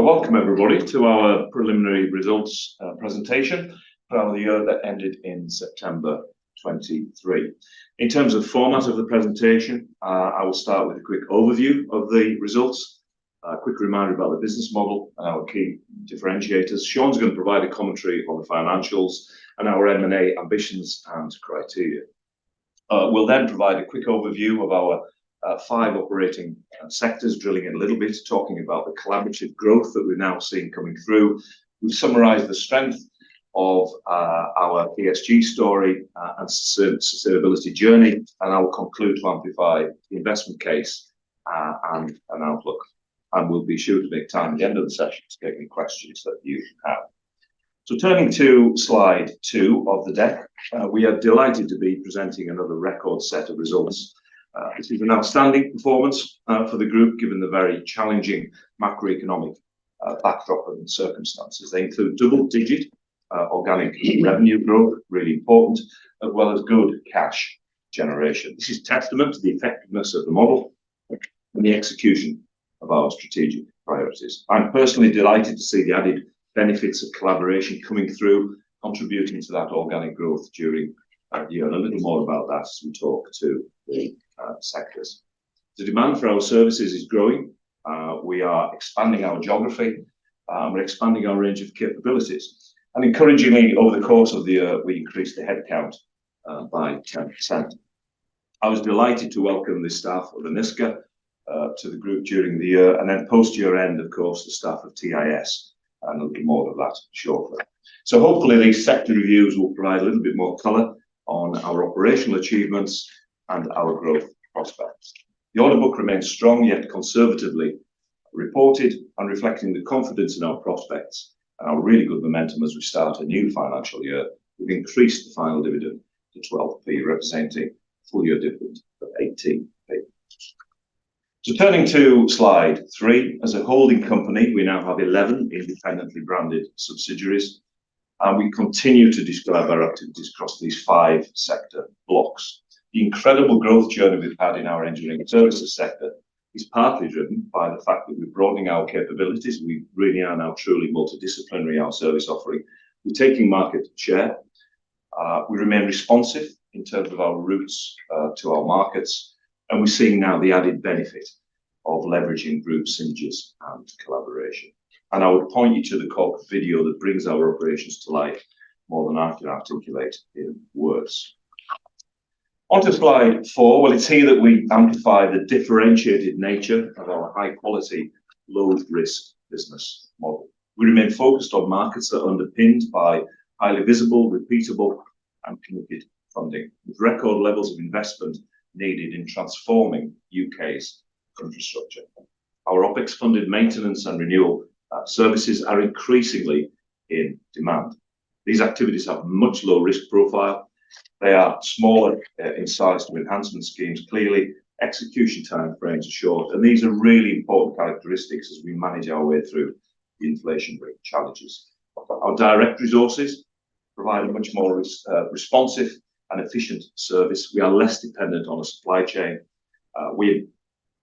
Well, welcome everybody to our preliminary results presentation for the year that ended in September 2023. In terms of format of the presentation, I will start with a quick overview of the results, a quick reminder about the business model and our key differentiators. Sean's gonna provide a commentary on the financials and our M&A ambitions and criteria. We'll then provide a quick overview of our five operating sectors, drilling in a little bit, talking about the collaborative growth that we're now seeing coming through. We summarize the strength of our ESG story and sustainability journey, and I will conclude to amplify the investment case and an outlook. We'll be sure to make time at the end of the session to take any questions that you have. So turning to slide 2 of the deck, we are delighted to be presenting another record set of results. This is an outstanding performance for the group, given the very challenging macroeconomic backdrop and circumstances. They include double-digit organic revenue growth, really important, as well as good cash generation. This is testament to the effectiveness of the model and the execution of our strategic priorities. I'm personally delighted to see the added benefits of collaboration coming through, contributing to that organic growth during that year, and a little more about that as we talk to the sectors. The demand for our services is growing. We are expanding our geography, we're expanding our range of capabilities, and encouragingly, over the course of the year, we increased the headcount by 10%. I was delighted to welcome the staff of Enisca to the group during the year, and then post-year end, of course, the staff of TIS, and there'll be more of that shortly. So hopefully, these sector reviews will provide a little bit more color on our operational achievements and our growth prospects. The order book remains strong, yet conservatively reported, and reflecting the confidence in our prospects and our really good momentum as we start a new financial year, we've increased the final dividend to 0.12, representing a full year dividend of 0.18. So turning to slide 3, as a holding company, we now have 11 independently branded subsidiaries, and we continue to describe our activities across these 5 sector blocks. The incredible growth journey we've had in our engineering services sector is partly driven by the fact that we're broadening our capabilities. We really are now truly multidisciplinary in our service offering. We're taking market share. We remain responsive in terms of our routes to our markets, and we're seeing now the added benefit of leveraging group synergies and collaboration. I would point you to the QTS video that brings our operations to life more than I can articulate in words. Onto slide 4. Well, it's here that we amplify the differentiated nature of our high quality, low risk business model. We remain focused on markets that are underpinned by highly visible, repeatable, and committed funding. With record levels of investment needed in transforming U.K.'s infrastructure, our OpEx-funded maintenance and renewal services are increasingly in demand. These activities have much lower risk profile. They are smaller in size to enhancement schemes. Clearly, execution timeframes are short, and these are really important characteristics as we manage our way through the inflationary challenges. Our direct resources provide a much more, responsive and efficient service. We are less dependent on a supply chain. We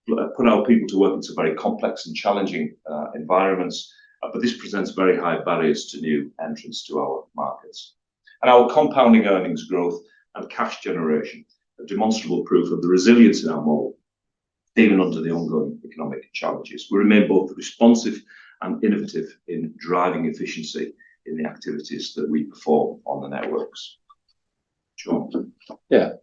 put our people to work into very complex and challenging, environments, but this presents very high barriers to new entrants to our markets. And our compounding earnings growth and cash generation are demonstrable proof of the resilience in our model, even under the ongoing economic challenges. We remain both responsive and innovative in driving efficiency in the activities that we perform on the networks. Sean? Yeah.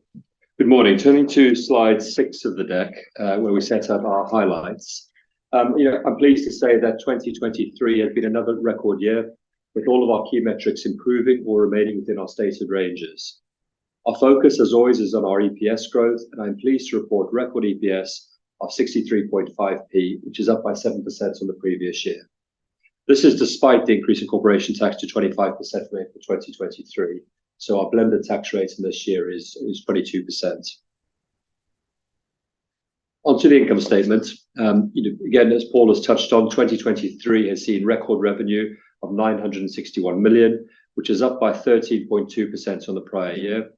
Good morning. Turning to slide 6 of the deck, where we set out our highlights. You know, I'm pleased to say that 2023 has been another record year, with all of our key metrics improving or remaining within our stated ranges. Our focus, as always, is on our EPS growth, and I'm pleased to report record EPS of 63.5p, which is up by 7% on the previous year. This is despite the increase in corporation tax to 25% for April 2023, so our blended tax rate in this year is 22%. Onto the income statement. You know, again, as Paul has touched on, 2023 has seen record revenue of 961 million, which is up by 13.2% on the prior year.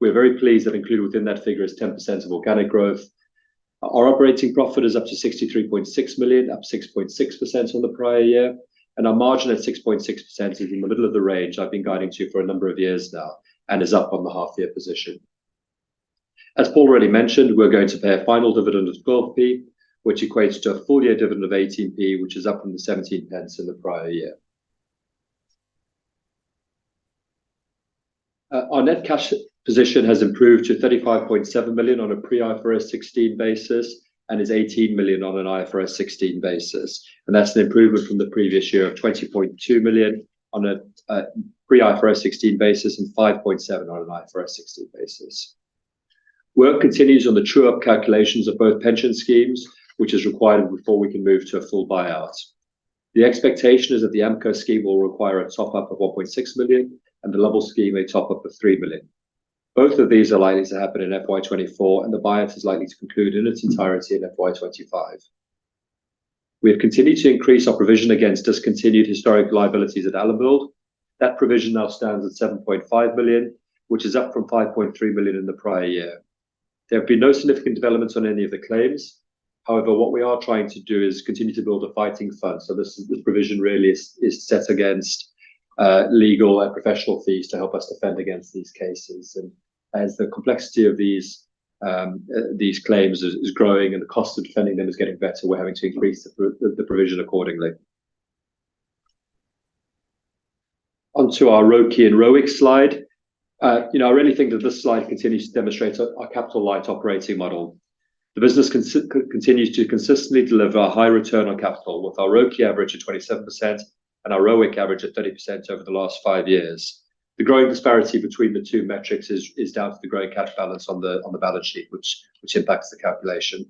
We're very pleased that included within that figure is 10% of organic growth. Our operating profit is up to 63.6 million, up 6.6% on the prior year, and our margin at 6.6% is in the middle of the range I've been guiding to for a number of years now, and is up on the half year position. As Paul already mentioned, we're going to pay a final dividend of 12p, which equates to a full year dividend of 18p, which is up from the 17p in the prior year. Our net cash position has improved to 35.7 million on a pre-IFRS 16 basis, and is 18 million on an IFRS 16 basis, and that's an improvement from the previous year of 20.2 million on a pre-IFRS 16 basis and 5.7 million on an IFRS 16 basis. Work continues on the true-up calculations of both pension schemes, which is required before we can move to a full buyout. The expectation is that the Amco scheme will require a top-up of 1.6 million, and the Lovell scheme a top-up of 3 million. Both of these are likely to happen in FY 2024, and the buyout is likely to conclude in its entirety in FY 2025. We have continued to increase our provision against discontinued historic liabilities at Allenbuild. That provision now stands at 7.5 million, which is up from 5.3 million in the prior year. There have been no significant developments on any of the claims. However, what we are trying to do is continue to build a fighting fund. So this provision really is set against legal and professional fees to help us defend against these cases. And as the complexity of these claims is growing and the cost of defending them is getting better, we're having to increase the provision accordingly. Onto our ROCE and ROIC slide. You know, I really think that this slide continues to demonstrate our capital light operating model. The business continues to consistently deliver a high return on capital, with our ROCE average of 27% and our ROIC average of 30% over the last five years. The growing disparity between the two metrics is down to the growing cash balance on the balance sheet, which impacts the calculation.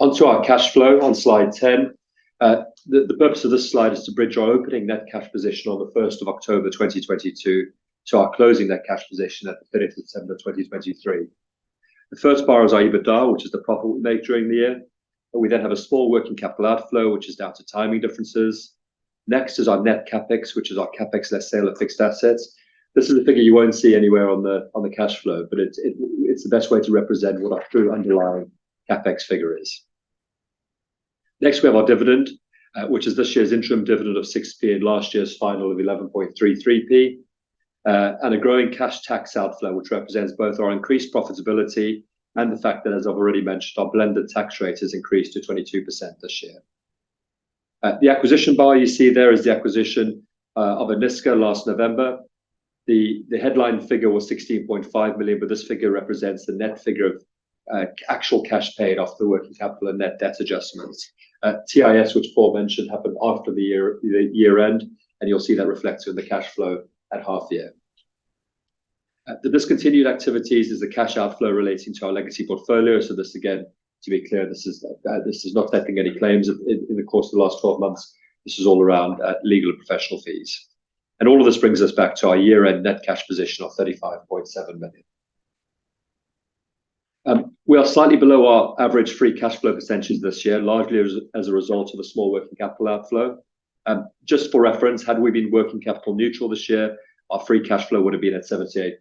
Onto our cash flow on slide 10. The purpose of this slide is to bridge our opening net cash position on the first of October, 2022, to our closing net cash position at the 30th of December, 2023. The first bar is our EBITDA, which is the profit we made during the year, and we then have a small working capital outflow, which is down to timing differences. Next is our net CapEx, which is our CapEx, less sale of fixed assets. This is a figure you won't see anywhere on the cash flow, but it's the best way to represent what our true underlying CapEx figure is. Next, we have our dividend, which is this year's interim dividend of 6p and last year's final of 11.33p. And a growing cash tax outflow, which represents both our increased profitability and the fact that, as I've already mentioned, our blended tax rate has increased to 22% this year. The acquisition bar you see there is the acquisition of Enisca last November. The headline figure was 16.5 million, but this figure represents the net figure of actual cash paid after the working capital and net debt adjustments. TIS, which Paul mentioned, happened after the year, the year-end, and you'll see that reflected in the cash flow at half year. The discontinued activities is a cash outflow relating to our legacy portfolio. So this, again, to be clear, this is not taking any claims in, in the course of the last 12 months. This is all around legal and professional fees. And all of this brings us back to our year-end net cash position of 35.7 million. We are slightly below our average free cash flow percentages this year, largely as, as a result of a small working capital outflow. Just for reference, had we been working capital neutral this year, our free cash flow would have been at 78%.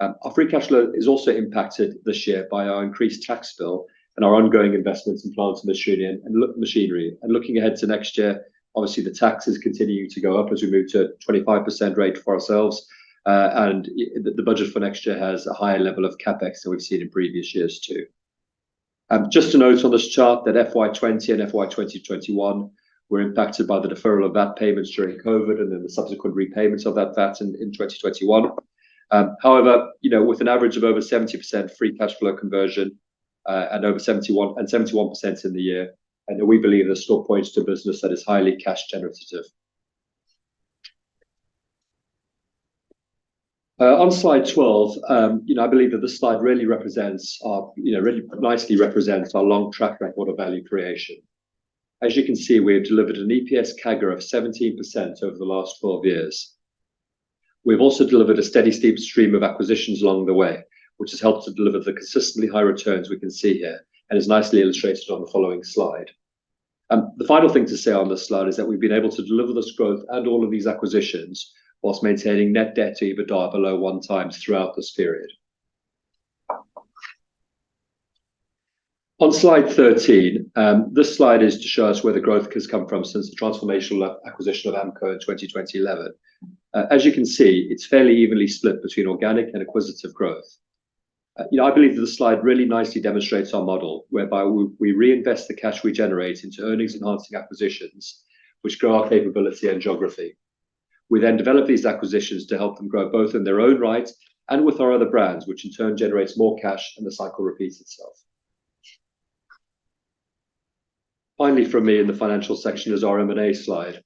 Our free cash flow is also impacted this year by our increased tax bill and our ongoing investments in plants and machinery. Looking ahead to next year, obviously, the taxes continue to go up as we move to a 25% rate for ourselves. And the budget for next year has a higher level of CapEx than we've seen in previous years, too. Just to note on this chart, that FY 2020 and FY 2021 were impacted by the deferral of VAT payments during COVID, and then the subsequent repayments of that VAT in 2021. However, you know, with an average of over 70% free cash flow conversion, and over 71, and 71% in the year, and we believe this still points to business that is highly cash generative. On slide 12, you know, I believe that this slide really represents our, you know, really nicely represents our long track record of value creation. As you can see, we have delivered an EPS CAGR of 17% over the last 12 years. We've also delivered a steady, steep stream of acquisitions along the way, which has helped to deliver the consistently high returns we can see here, and is nicely illustrated on the following slide. The final thing to say on this slide is that we've been able to deliver this growth and all of these acquisitions while maintaining net debt to EBITDA below 1x throughout this period. On slide 13, this slide is to show us where the growth has come from since the transformational acquisition of Amco in 2011. As you can see, it's fairly evenly split between organic and acquisitive growth. You know, I believe that this slide really nicely demonstrates our model, whereby we reinvest the cash we generate into earnings-enhancing acquisitions, which grow our capability and geography. We then develop these acquisitions to help them grow, both in their own right and with our other brands, which in turn generates more cash, and the cycle repeats itself. Finally, from me in the financial section, is our M&A slide.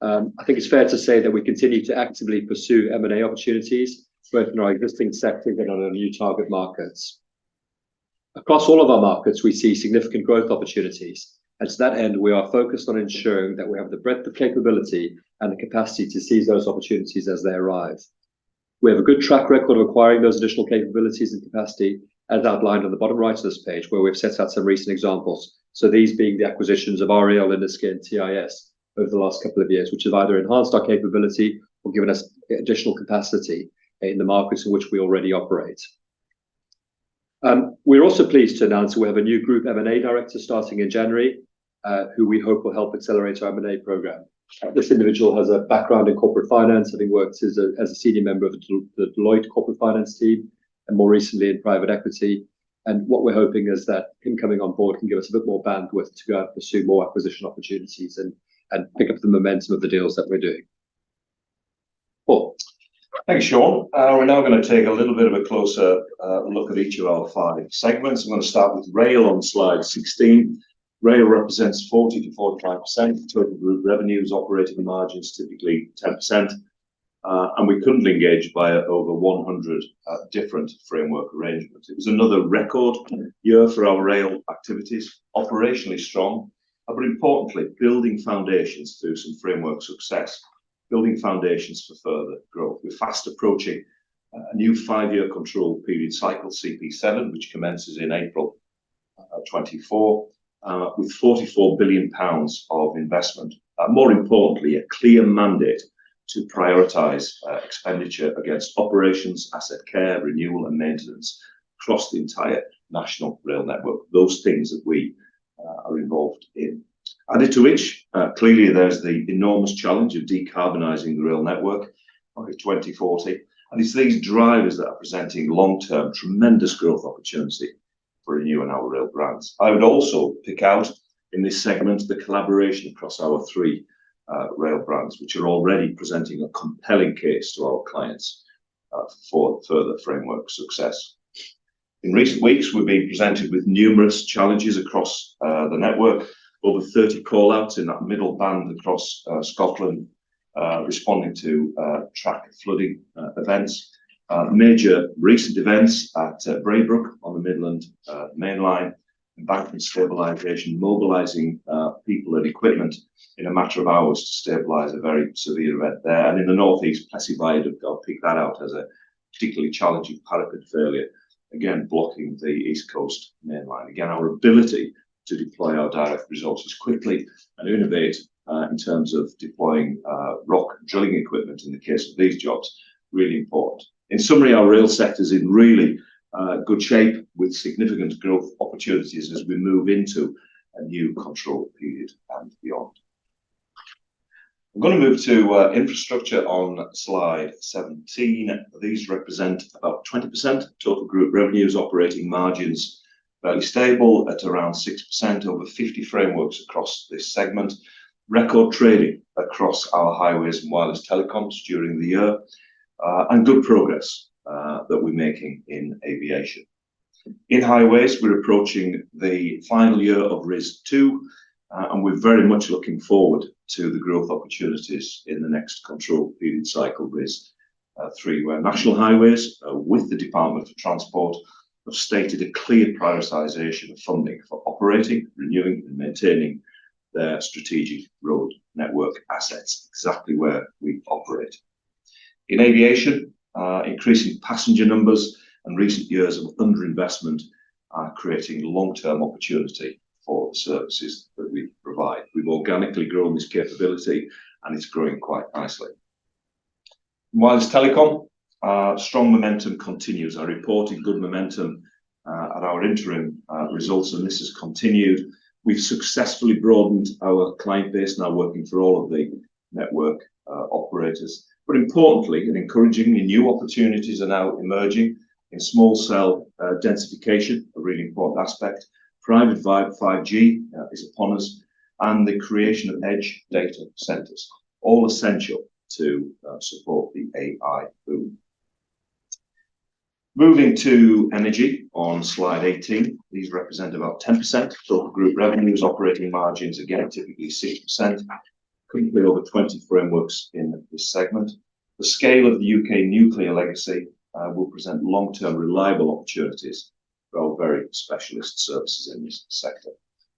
I think it's fair to say that we continue to actively pursue M&A opportunities, both in our existing sector and on our new target markets. Across all of our markets, we see significant growth opportunities, and to that end, we are focused on ensuring that we have the breadth of capability and the capacity to seize those opportunities as they arise. We have a good track record of acquiring those additional capabilities and capacity, as outlined on the bottom right of this page, where we've set out some recent examples. So these being the acquisitions of REL, Enisca, and TIS over the last couple of years, which have either enhanced our capability or given us additional capacity in the markets in which we already operate. We're also pleased to announce we have a new Group M&A director starting in January, who we hope will help accelerate our M&A program. This individual has a background in corporate finance, having worked as a senior member of the Deloitte corporate finance team and more recently in private equity. And what we're hoping is that him coming on board can give us a bit more bandwidth to go out and pursue more acquisition opportunities and pick up the momentum of the deals that we're doing. Paul? Thanks, Sean. We're now gonna take a little bit of a closer look at each of our five segments. I'm gonna start with rail on slide 16. Rail represents 40%-45% of total group revenues. Operating margins, typically 10%. And we currently engage via over 100 different framework arrangements. It was another record year for our rail activities, operationally strong, but importantly, building foundations through some framework success, building foundations for further growth. We're fast approaching a new five-year control period, Cycle CP7, which commences in April 2024 with 44 billion pounds of investment. More importantly, a clear mandate to prioritize expenditure against operations, asset care, renewal, and maintenance across the entire national rail network, those things that we are involved in. Added to which, clearly there's the enormous challenge of decarbonizing the rail network by 2040, and it's these drivers that are presenting long-term, tremendous growth opportunity for you and our rail brands. I would also pick out in this segment the collaboration across our 3 rail brands, which are already presenting a compelling case to our clients for further framework success. In recent weeks, we've been presented with numerous challenges across the network. Over 30 call-outs in that middle band across Scotland, responding to track flooding events. Major recent events at Braybrooke on the Midland Main Line, embankment stabilization, mobilizing people and equipment in a matter of hours to stabilize a very severe event there. And in the Northeast, Plasketts, I'd pick that out as a particularly challenging parapet failure, again, blocking the East Coast Main Line. Again, our ability to deploy our direct resources quickly and innovate in terms of deploying rock drilling equipment in the case of these jobs, really important. In summary, our rail sector's in really good shape with significant growth opportunities as we move into a new control period and beyond. I'm gonna move to infrastructure on slide 17. These represent about 20% of total group revenues, operating margins fairly stable at around 6%, over 50 frameworks across this segment. Record trading across our highways and wireless telecoms during the year and good progress that we're making in aviation. In highways, we're approaching the final year of RIS 2, and we're very much looking forward to the growth opportunities in the next control period cycle, RIS 3, where National Highways with the Department of Transport have stated a clear prioritization of funding for operating, renewing, and maintaining their strategic road network assets, exactly where we operate. In aviation, increasing passenger numbers and recent years of underinvestment are creating long-term opportunity for the services that we provide. We've organically grown this capability, and it's growing quite nicely. Wireless telecom, strong momentum continues. I reported good momentum at our interim results, and this has continued. We've successfully broadened our client base, now working for all of the network operators. But importantly, and encouragingly, new opportunities are now emerging in small cell densification, a really important aspect. Private 5G is upon us, and the creation of edge data centers, all essential to support the AI boom. Moving to energy on slide 18. These represent about 10% of total group revenues. Operating margins, again, typically 6%. Currently, over 20 frameworks in this segment. The scale of the UK nuclear legacy will present long-term, reliable opportunities for our very specialist services in this sector.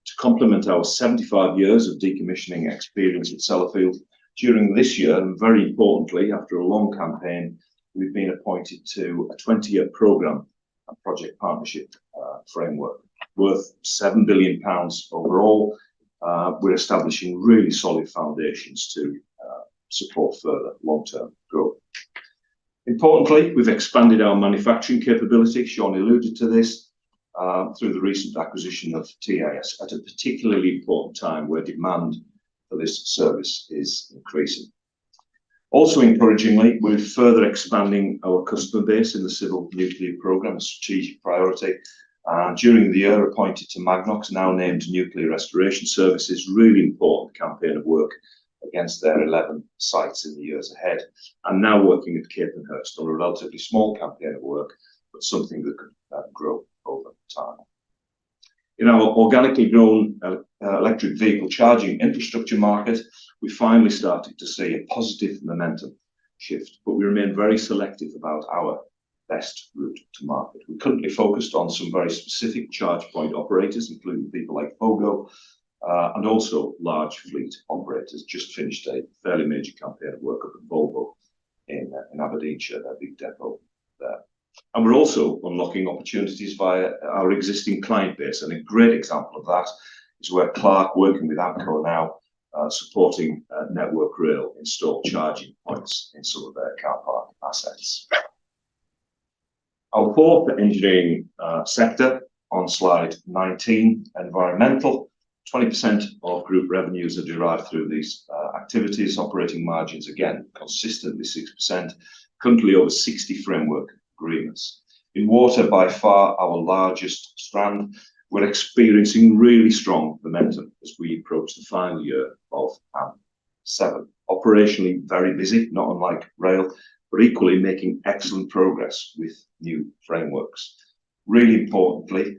To complement our 75 years of decommissioning experience at Sellafield, during this year, and very importantly, after a long campaign, we've been appointed to a 20-year program and project partnership framework worth 7 billion pounds overall. We're establishing really solid foundations to support further long-term growth. Importantly, we've expanded our manufacturing capability, Sean alluded to this, through the recent acquisition of TIS at a particularly important time where demand for this service is increasing. Also encouragingly, we're further expanding our customer base in the civil nuclear program, a strategic priority. During the year, appointed to Magnox, now named Nuclear Restoration Services, really important campaign of work against their 11 sites in the years ahead. And now working with Capenhurst on a relatively small campaign at work, but something that could grow over time. In our organically grown electric vehicle charging infrastructure market, we finally started to see a positive momentum shift, but we remain very selective about our best route to market. We're currently focused on some very specific charge point operators, including people like PoGo, and also large fleet operators. Just finished a fairly major campaign of work up in Volvo, in Aberdeenshire, a big depot there. We're also unlocking opportunities via our existing client base, and a great example of that is where Clarke Telecom, working with AmcoGiffen, are now supporting Network Rail install charging points in some of their car park assets. Our fourth engineering sector on slide 19, environmental. 20% of group revenues are derived through these activities. Operating margins, again, consistently 6%. Currently, over 60 framework agreements. In water, by far our largest strand, we're experiencing really strong momentum as we approach the final year of 7. Operationally, very busy, not unlike rail, but equally making excellent progress with new frameworks. Really importantly,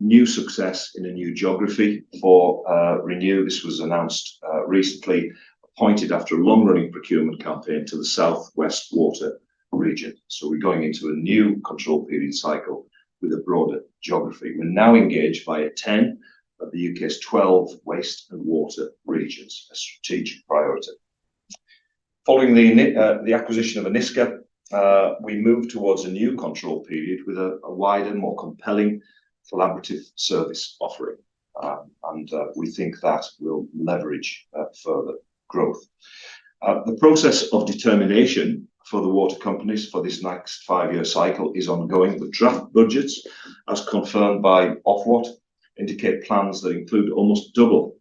new success in a new geography for Renew. This was announced recently, appointed after a long-running procurement campaign to the South West Water region. So we're going into a new control period cycle with a broader geography. We're now engaged by 10 of the UK's 12 waste and water regions, a strategic priority. Following the acquisition of Enisca, we moved towards a new control period with a wider, more compelling collaborative service offering. And we think that will leverage further growth. The process of determination for the water companies for this next five-year cycle is ongoing. The draft budgets, as confirmed by Ofwat, indicate plans that include almost double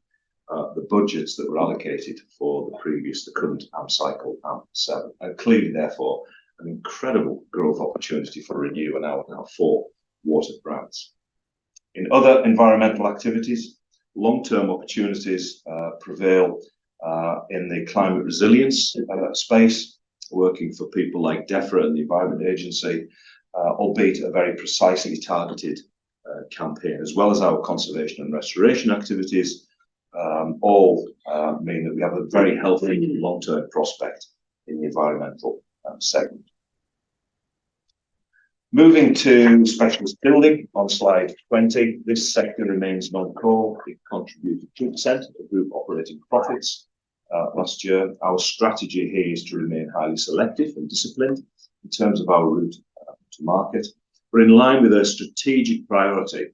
the budgets that were allocated for the previous, the current AMP cycle, AMP7. And clearly, therefore, an incredible growth opportunity for Renew and our now four water brands. In other environmental activities, long-term opportunities prevail in the climate resilience space, working for people like DEFRA and the Environment Agency, albeit a very precisely targeted campaign, as well as our conservation and restoration activities. All mean that we have a very healthy long-term prospect in the environmental segment. Moving to specialist building on slide 20, this sector remains non-core. It contributed 2% of the group operating profits last year. Our strategy here is to remain highly selective and disciplined in terms of our route to market. But in line with our strategic priority,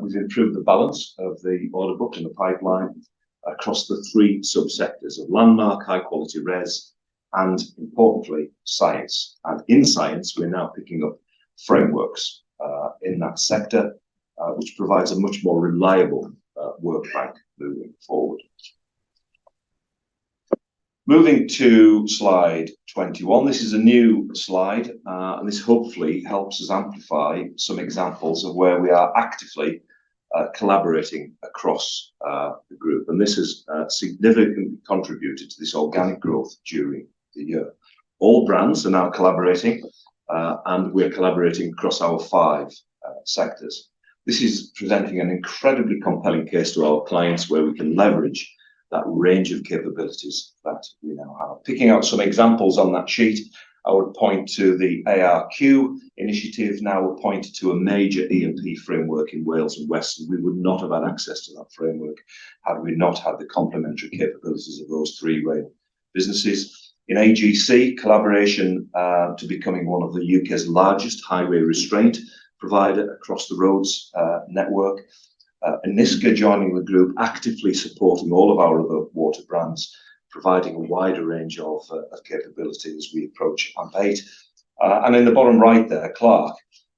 we've improved the balance of the order book and the pipeline across the three sub-sectors of Landmark, High Quality Res, and importantly, Science. In Enisca, we're now picking up frameworks in that sector, which provides a much more reliable work bank moving forward. Moving to slide 21. This is a new slide, and this hopefully helps us amplify some examples of where we are actively collaborating across the group. This has significantly contributed to this organic growth during the year. All brands are now collaborating, and we are collaborating across our five sectors. This is presenting an incredibly compelling case to our clients, where we can leverage that range of capabilities that we now have. Picking out some examples on that sheet, I would point to the ARQ initiative, now appointed to a major E&P framework in Wales & Western. We would not have had access to that framework had we not had the complementary capabilities of those three rail businesses. In AGC collaboration to becoming one of the UK's largest highways maintenance provider across the roads network. Enisca joining the group, actively supporting all of our other water brands, providing a wider range of capabilities as we approach AMP8. And in the bottom right there, Clarke,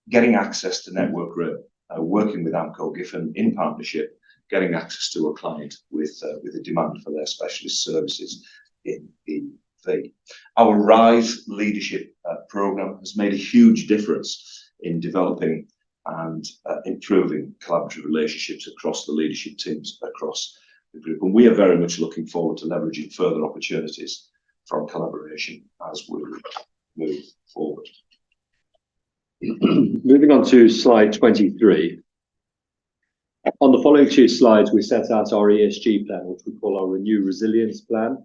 getting access to Network Rail, working with AmcoGiffen in partnership, getting access to a client with a demand for their specialist services in the field. Our RISE leadership program has made a huge difference in developing and improving collaborative relationships across the leadership teams across the group. And we are very much looking forward to leveraging further opportunities from collaboration as we move forward. Moving on to slide 23. On the following two slides, we set out our ESG plan, which we call our Renew Resilience Plan.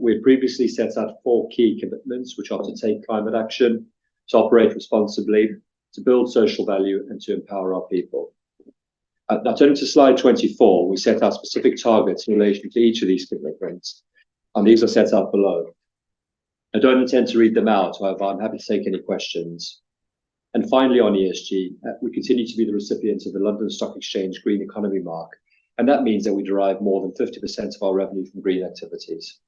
We had previously set out four key commitments, which are to take climate action, to operate responsibly, to build social value, and to empower our people. Now turning to slide 24, we set out specific targets in relation to each of these commitments, and these are set out below. I don't intend to read them out, however, I'm happy to take any questions. And finally, on ESG, we continue to be the recipient of the London Stock Exchange Green Economy Mark, and that means that we derive more than 50% of our revenue from green activities.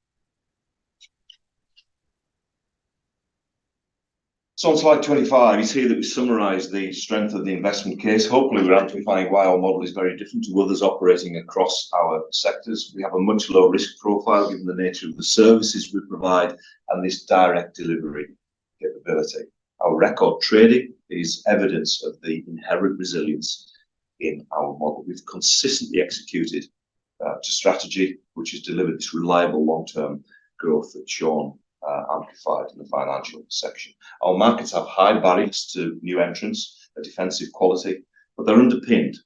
So on slide 25, you see that we summarize the strength of the investment case. Hopefully, we're amplifying why our model is very different to others operating across our sectors. We have a much lower risk profile, given the nature of the services we provide and this direct delivery capability. Our record trading is evidence of the inherent resilience in our model. We've consistently executed to strategy, which has delivered this reliable long-term growth that's shown amplified in the financial section. Our markets have high barriers to new entrants, a defensive quality, but they're underpinned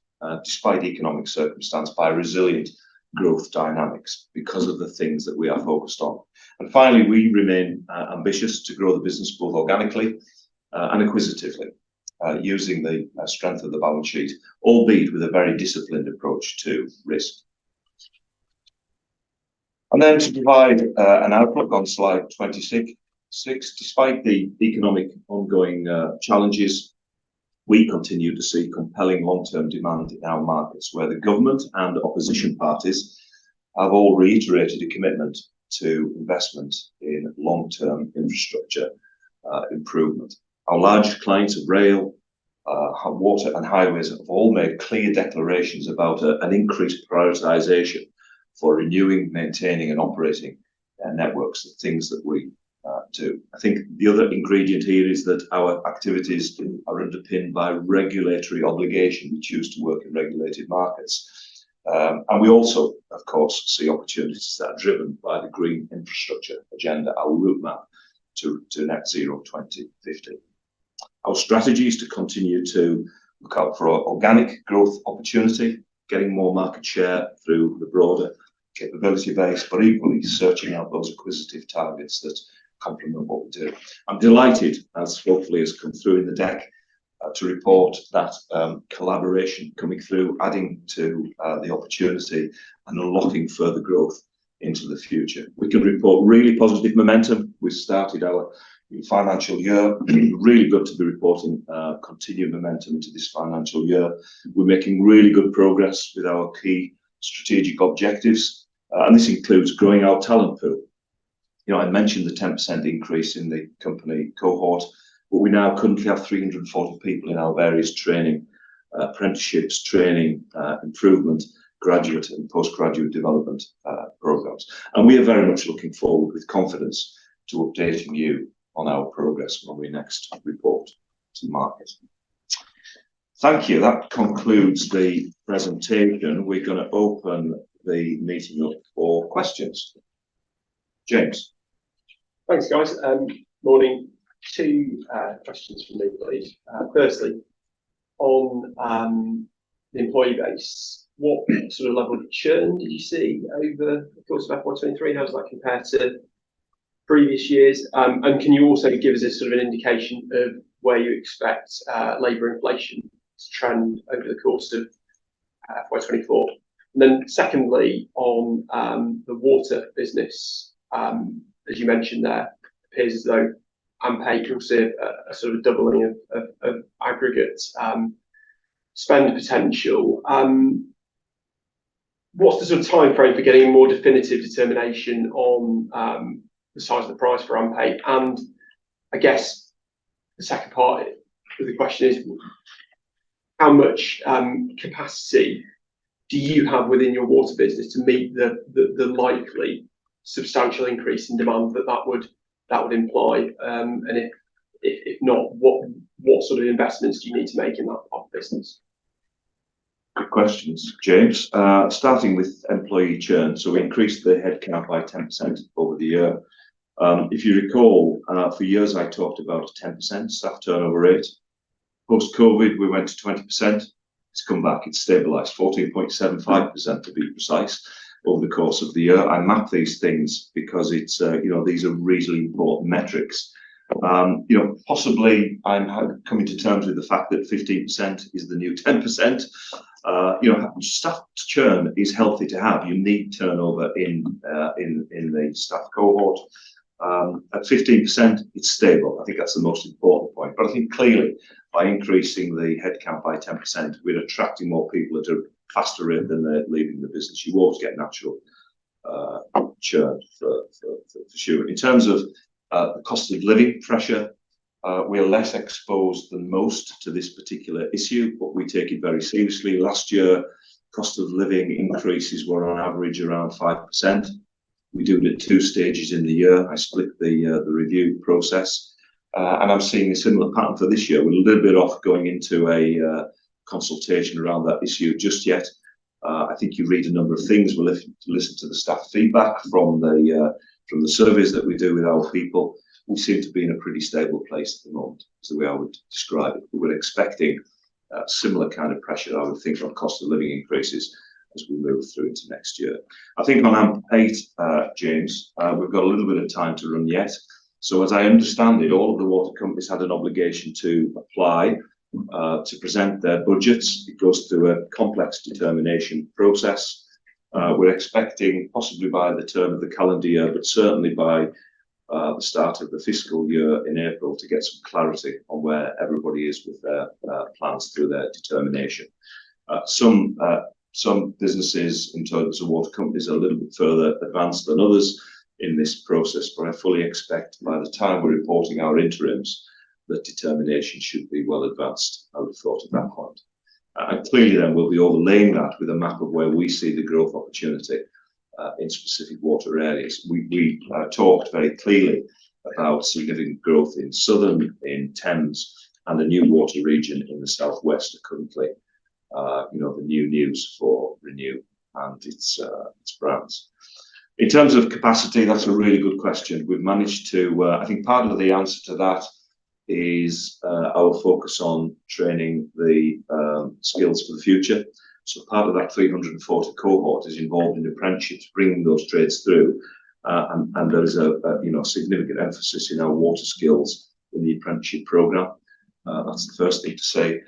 despite economic circumstance by resilient growth dynamics because of the things that we are focused on. And finally, we remain ambitious to grow the business both organically and acquisitively using the strength of the balance sheet, albeit with a very disciplined approach to risk. Then to provide an outlook on slide 26. Despite the economic ongoing challenges, we continue to see compelling long-term demand in our markets, where the government and opposition parties have all reiterated a commitment to investment in long-term infrastructure improvement. Our large clients of rail, water, and highways have all made clear declarations about an increased prioritization for renewing, maintaining, and operating their networks, the things that we do. I think the other ingredient here is that our activities are underpinned by regulatory obligation. We choose to work in regulated markets. And we also, of course, see opportunities that are driven by the green infrastructure agenda, our roadmap to Net Zero 2050. Our strategy is to continue to look out for organic growth opportunity, getting more market share through the broader capability base, but equally searching out those acquisitive targets that complement what we do. I'm delighted, as hopefully has come through in the deck, to report that, collaboration coming through, adding to, the opportunity and unlocking further growth into the future. We can report really positive momentum. We started our financial year really good to be reporting, continued momentum into this financial year. We're making really good progress with our key strategic objectives, and this includes growing our talent pool. You know, I mentioned the 10% increase in the company cohort, but we now currently have 340 people in our various training, apprenticeships, training, improvement, graduate, and postgraduate development, programs. We are very much looking forward with confidence to updating you on our progress when we next report to market. Thank you. That concludes the presentation. We're gonna open the meeting up for questions. James? Thanks, guys, morning. Two questions from me, please. Firstly, on the employee base, what sort of level of churn did you see over the course of FY 2023, and how does that compare to previous years? Can you also give us a sort of an indication of where you expect Labour inflation to trend over the course of FY 2024? Then, secondly, on the water business, as you mentioned, there appears as though AMP8 could see a sort of doubling of aggregate spend potential. What's the sort of timeframe for getting a more definitive determination on the size of the prize for AMP8? And I guess the second part of the question is, how much capacity do you have within your water business to meet the likely substantial increase in demand that that would imply? And if not, what sort of investments do you need to make in that business? Good questions, James. Starting with employee churn, so we increased the headcount by 10% over the year. If you recall, for years, I talked about a 10% staff turnover rate. Post-COVID, we went to 20%. It's come back, it's stabilized. 14.75%, to be precise, over the course of the year. I map these things because it's, you know, these are reasonably important metrics. You know, possibly I'm coming to terms with the fact that 15% is the new 10%. You know, staff churn is healthy to have. You need turnover in the staff cohort. At 15%, it's stable. I think that's the most important point, but I think clearly by increasing the headcount by 10%, we're attracting more people at a faster rate than they're leaving the business. You will always get natural churn for sure. In terms of the cost of living pressure, we are less exposed than most to this particular issue, but we take it very seriously. Last year, cost of living increases were on average around 5%. We do it in two stages in the year. I split the review process, and I'm seeing a similar pattern for this year. We're a little bit off going into a consultation around that issue just yet. I think you read a number of things. We'll listen to the staff feedback from the surveys that we do with our people. We seem to be in a pretty stable place at the moment, is the way I would describe it. We're expecting a similar kind of pressure, I would think, from cost of living increases as we move through into next year. I think on AMP8, James, we've got a little bit of time to run yet. So as I understand it, all of the water companies had an obligation to apply to present their budgets. It goes through a complex determination process. We're expecting possibly by the turn of the calendar year, but certainly by the start of the fiscal year in April, to get some clarity on where everybody is with their plans through their determination. Some businesses, in terms of water companies, are a little bit further advanced than others in this process, but I fully expect by the time we're reporting our interims, that determination should be well advanced, I would have thought, at that point. Clearly, then we'll be overlaying that with a map of where we see the growth opportunity in specific water areas. We talked very clearly about significant growth in Southern, in Thames, and the new water region in the southwest are currently, you know, the new news for Renew and its brands. In terms of capacity, that's a really good question. We've managed to. I think part of the answer to that is our focus on training the skills for the future. So part of that 340 cohort is involved in apprenticeships, bringing those trades through. And there is a you know, significant emphasis in our water skills in the apprenticeship program. That's the first thing to say.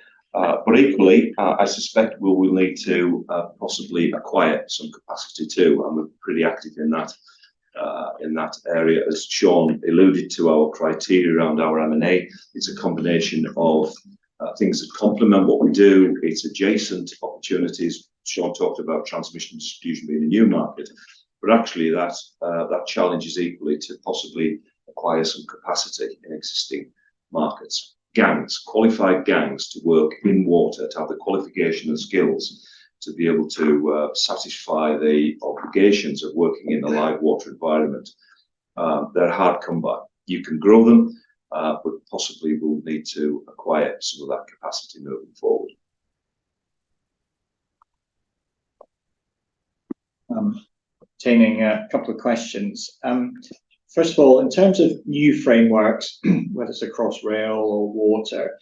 But equally, I suspect we will need to possibly acquire some capacity, too, and we're pretty active in that area. As Sean alluded to, our criteria around our M&A, it's a combination of things that complement what we do. It's adjacent opportunities. Sean talked about transmission and distribution being a new market, but actually that challenge is equally to possibly acquire some capacity in existing markets. Gangs, qualified gangs, to work in water, to have the qualification and skills to be able to satisfy the obligations of working in a live water environment. They're hard to come by. You can grow them, but possibly we'll need to acquire some of that capacity moving forward. Taking a couple of questions. First of all, in terms of new frameworks, whether it's across rail or water,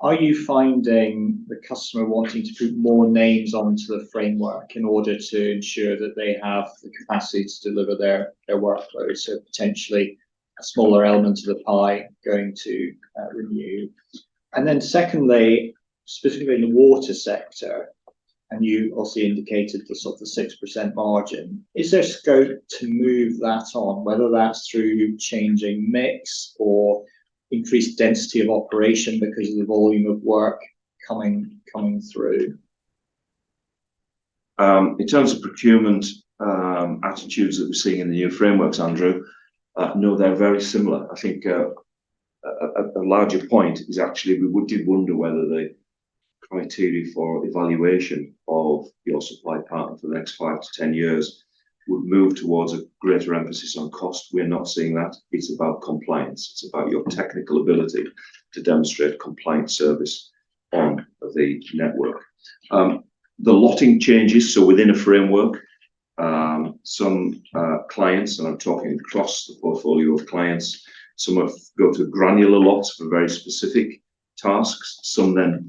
are you finding the customer wanting to put more names onto the framework in order to ensure that they have the capacity to deliver their, their workloads, so potentially a smaller element of the pie going to, Renew? And then secondly, specifically in the water sector. And you obviously indicated the sort of 6% margin. Is there scope to move that on, whether that's through changing mix or increased density of operation because of the volume of work coming through? In terms of procurement, attitudes that we're seeing in the new frameworks, Andrew, no, they're very similar. I think, a larger point is actually we would, did wonder whether the criteria for evaluation of your supply partner for the next 5 to 10 years would move towards a greater emphasis on cost. We're not seeing that. It's about compliance. It's about your technical ability to demonstrate compliant service and of the network. The lotting changes, so within a framework, some clients, and I'm talking across the portfolio of clients, some have gone to granular lots for very specific tasks, some then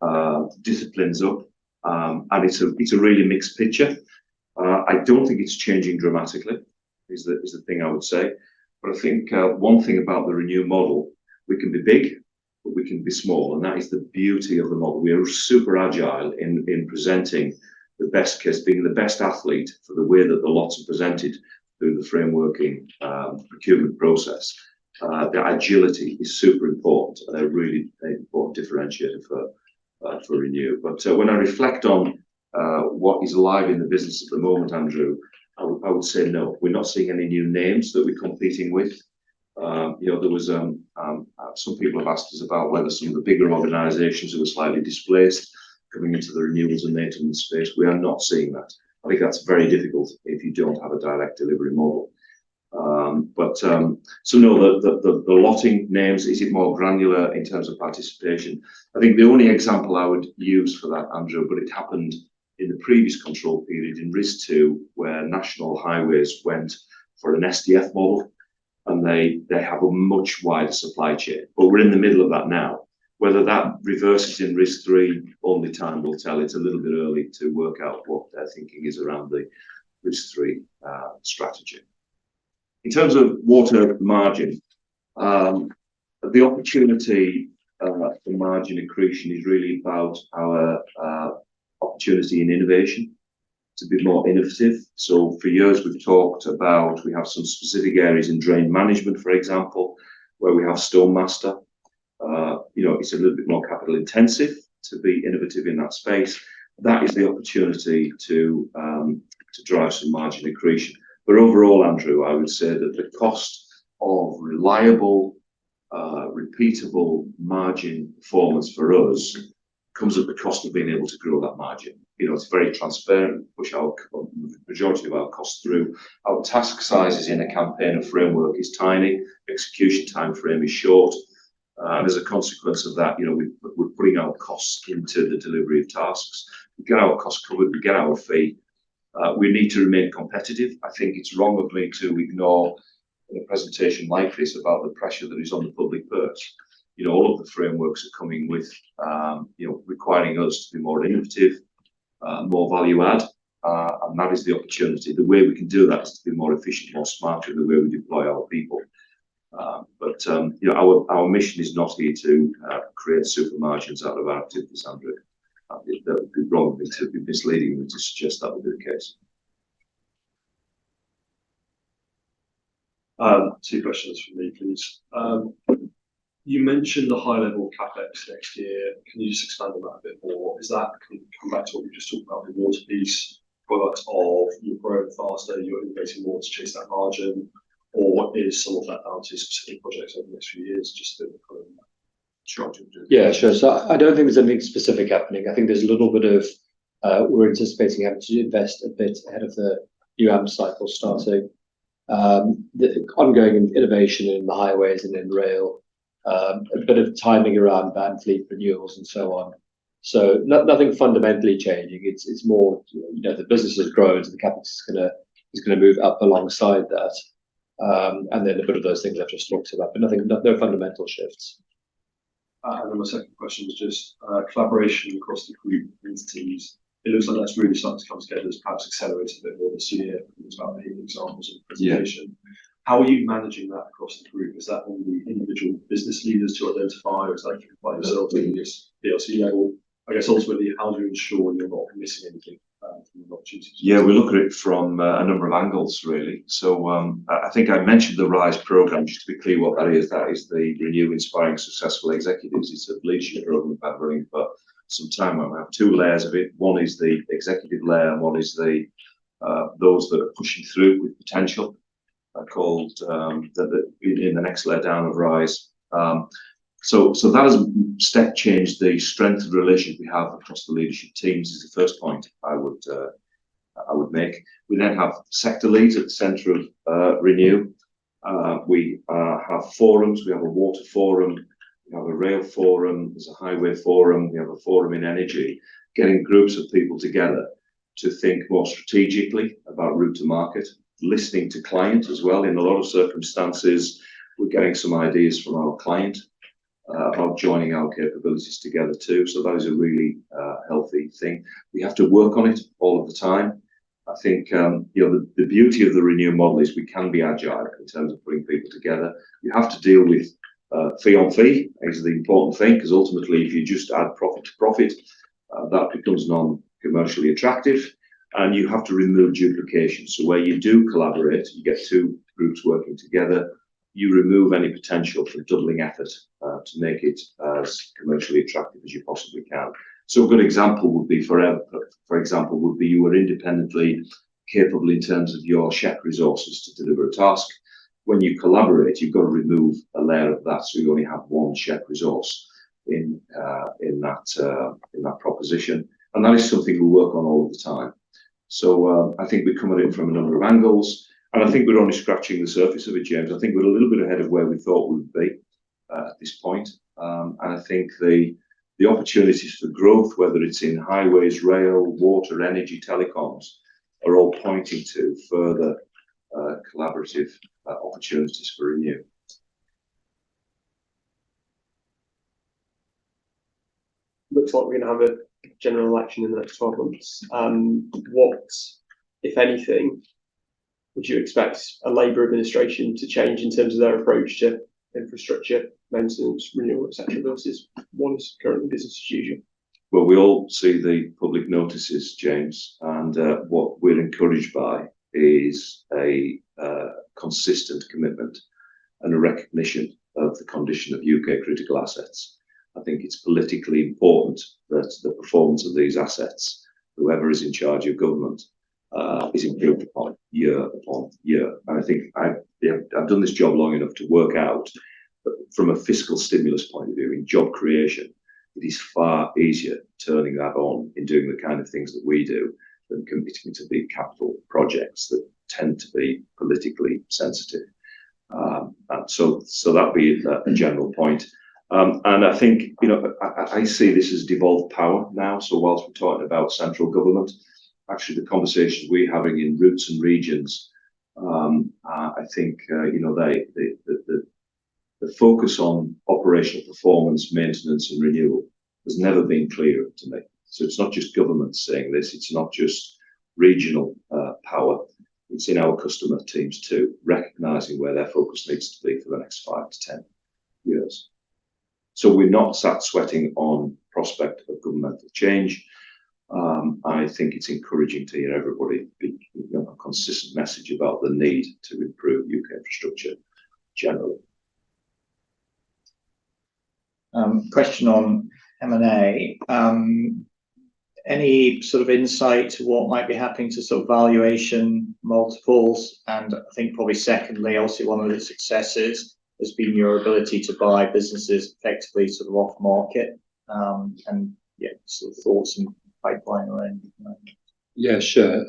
bolt disciplines up. And it's a really mixed picture. I don't think it's changing dramatically, is the thing I would say. But I think, one thing about the Renew model, we can be big, but we can be small, and that is the beauty of the model. We are super agile in presenting the best case, being the best athlete for the way that the lots are presented through the frameworking, procurement process. Their agility is super important, and a really important differentiator for Renew. But, when I reflect on what is alive in the business at the moment, Andrew, I would say no, we're not seeing any new names that we're competing with. You know, there was, some people have asked us about whether some of the bigger organizations who were slightly displaced coming into the renewables and maintenance space, we are not seeing that. I think that's very difficult if you don't have a direct delivery model. But so no, the lotting names is it more granular in terms of participation? I think the only example I would use for that, Andrew, but it happened in the previous control period in RIS 2, where National Highways went for an SDF model, and they have a much wider supply chain, but we're in the middle of that now. Whether that reverses in RIS 3, only time will tell. It's a little bit early to work out what their thinking is around the RIS 3 strategy. In terms of water margin, the opportunity for margin accretion is really about our opportunity and innovation. It's a bit more innovative. So for years, we've talked about, we have some specific areas in drain management, for example, where we have StoneMaster. You know, it's a little bit more capital-intensive to be innovative in that space. That is the opportunity to drive some margin accretion. But overall, Andrew, I would say that the cost of reliable, repeatable margin performance for us comes at the cost of being able to grow that margin. You know, it's very transparent, push our majority of our costs through. Our task sizes in a campaign and framework is tiny. Execution timeframe is short. And as a consequence of that, you know, we're putting our costs into the delivery of tasks. We get our cost covered, we get our fee. We need to remain competitive. I think it's wrong of me to ignore in a presentation like this about the pressure that is on the public purse. You know, all of the frameworks are coming with, you know, requiring us to be more innovative, more value add, and that is the opportunity. The way we can do that is to be more efficient, more smarter in the way we deploy our people. But, you know, our mission is not here to create super margins out of our activities, Andrew. That would be wrong of me, to be misleading me to suggest that would be the case. Two questions from me, please. You mentioned the high-level CapEx next year. Can you just expand on that a bit more? Is that can come back to what we just talked about, the water piece, product of you're growing faster, you're innovating more to chase that margin, or is some of that down to specific projects over the next few years, just to kind of structure? Yeah, sure. So I don't think there's anything specific happening. I think there's a little bit of, we're anticipating having to invest a bit ahead of the new AMP cycle starting. The ongoing innovation in the highways and in rail, a bit of timing around van fleet renewals and so on. So nothing fundamentally changing. It's more, you know, the business is growing, so the CapEx is gonna move up alongside that. And then a bit of those things I've just talked about, but no fundamental shifts. And my second question was just, collaboration across the group entities. It looks like that's really starting to come together, perhaps accelerated a bit more this year. It was about the examples and presentation. Yeah. How are you managing that across the group? Is that all the individual business leaders to identify, or is that you by yourself at this DLC level? I guess ultimately, how do you ensure you're not missing anything, from an opportunity? Yeah, we look at it from a number of angles, really. So, I think I mentioned the RISE program. Just to be clear what that is, that is the Renew Inspiring Successful Executives. It's a leadership program we've had running for some time. I have two layers of it. One is the executive layer, and one is those that are pushing through with potential are called in the next layer down of RISE. So that has step changed the strength of the relationship we have across the leadership teams, is the first point I would make. We then have sector leads at the center of Renew. We have forums. We have a water forum, we have a rail forum, there's a highway forum, we have a forum in energy. Getting groups of people together to think more strategically about route to market, listening to client as well. In a lot of circumstances, we're getting some ideas from our client about joining our capabilities together, too. So that is a really healthy thing. We have to work on it all of the time. I think, you know, the beauty of the Renew model is we can be agile in terms of bringing people together. You have to deal with fee on fee is the important thing, 'cause ultimately if you just add profit to profit, that becomes non-commercially attractive, and you have to remove duplication. So where you do collaborate, you get two groups working together, you remove any potential for doubling effort to make it as commercially attractive as you possibly can. So a good example would be, for example, you are independently capable in terms of your shared resources to deliver a task. When you collaborate, you've got to remove a layer of that, so you only have one shared resource in that proposition. And that is something we work on all the time. So, I think we're coming in from a number of angles, and I think we're only scratching the surface of it, James. I think we're a little bit ahead of where we thought we would be at this point. And I think the opportunities for growth, whether it's in highways, rail, water, energy, telecoms, are all pointing to further collaborative opportunities for Renew. Looks like we're gonna have a general election in the next 12 months. What, if anything, would you expect a Labor administration to change in terms of their approach to infrastructure, maintenance, renewal, et cetera, versus one's current business situation? Well, we all see the public notices, James, and what we're encouraged by is a consistent commitment and a recognition of the condition of U.K. critical assets. I think it's politically important that the performance of these assets, whoever is in charge of government, is improved upon year upon year. And I think I've, you know, I've done this job long enough to work out, from a fiscal stimulus point of view, in job creation, it is far easier turning that on and doing the kind of things that we do, than committing to big capital projects that tend to be politically sensitive. And so that would be a general point. And I think, you know, I see this as devolved power now. So whilst we're talking about central government, actually the conversations we're having in roots and regions are, I think, you know, they, the focus on operational performance, maintenance, and renewal has never been clearer to me. So it's not just government saying this, it's not just regional power. It's in our customer teams, too, recognizing where their focus needs to be for the next 5-10 years. So we've not sat sweating on prospect of governmental change. I think it's encouraging to hear everybody be, you know, a consistent message about the need to improve U.K. infrastructure generally. Question on M&A. Any sort of insight to what might be happening to sort of valuation multiples? And I think probably secondly, obviously, one of the successes has been your ability to buy businesses effectively, sort of off market, and yeah, sort of thoughts and pipeline around that. Yeah, sure.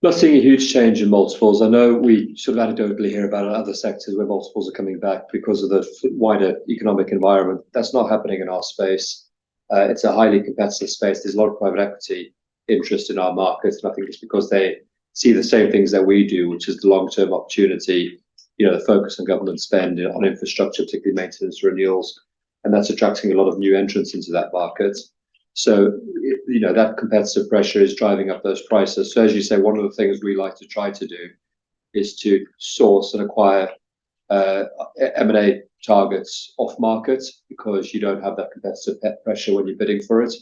Not seeing a huge change in multiples. I know we sort of anecdotally hear about other sectors where multiples are coming back because of the wider economic environment. That's not happening in our space. It's a highly competitive space. There's a lot of private equity interest in our markets, and I think it's because they see the same things that we do, which is the long-term opportunity, you know, the focus on government spending on infrastructure, particularly maintenance, renewals, and that's attracting a lot of new entrants into that market. So, you know, that competitive pressure is driving up those prices. So as you say, one of the things we like to try to do is to source and acquire, M&A targets off market, because you don't have that competitive pressure when you're bidding for it.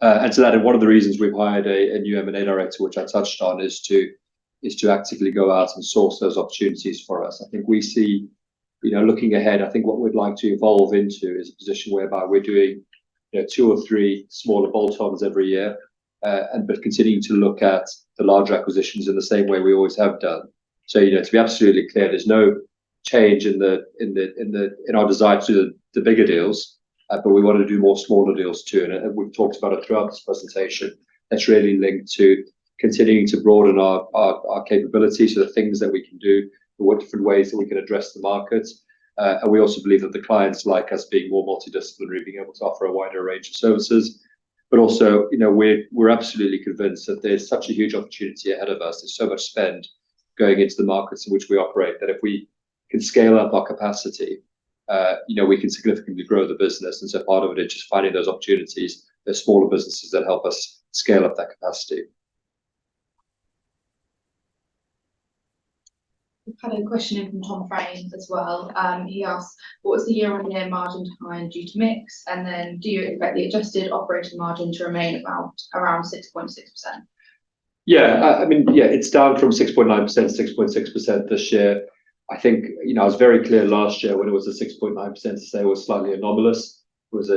Add to that, and one of the reasons we've hired a new M&A director, which I touched on, is to actively go out and source those opportunities for us. I think we see. You know, looking ahead, I think what we'd like to evolve into is a position whereby we're doing, you know, two or three smaller bolt-ons every year, but continuing to look at the large acquisitions in the same way we always have done. So, you know, to be absolutely clear, there's no change in our desire to do the bigger deals, but we want to do more smaller deals, too. And we've talked about it throughout this presentation. That's really linked to continuing to broaden our capabilities so the things that we can do, what different ways that we can address the markets. And we also believe that the clients like us being more multidisciplinary, being able to offer a wider range of services. But also, you know, we're, we're absolutely convinced that there's such a huge opportunity ahead of us. There's so much spend going into the markets in which we operate, that if we can scale up our capacity, you know, we can significantly grow the business. And so part of it is just finding those opportunities, those smaller businesses that help us scale up that capacity. Had a question in from Tom Frame as well, and he asked: "What was the year-on-year margin decline due to mix? And then do you expect the adjusted operating margin to remain about, around 6.6%? Yeah, I mean, yeah, it's down from 6.9% to 6.6% this year. I think, you know, I was very clear last year when it was at 6.9% to say it was slightly anomalous. It was,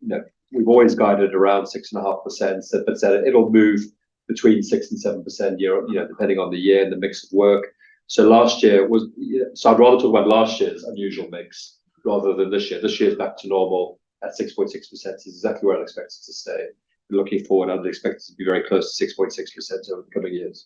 you know, we've always guided around 6.5%, but said it'll move between 6%-7% year, you know, depending on the year and the mix of work. So last year was, so I'd rather talk about last year's unusual mix rather than this year. This year is back to normal at 6.6%. It's exactly where I'd expect it to stay. Looking forward, I'd expect it to be very close to 6.6% over the coming years.